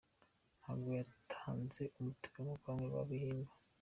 Ntabwo yatanze umutobe nkuko bamwe bahimba.